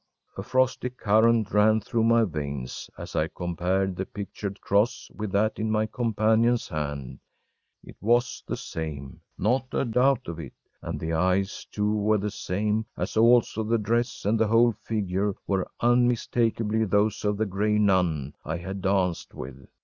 A frosty current ran through my veins as I compared the pictured cross with that in my companion’s hand. It was the same not a doubt of it and the eyes, too, were the same, as also the dress and the whole figure were unmistakably those of the gray nun I had danced with.